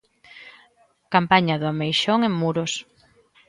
Campaña do ameixón en Muros.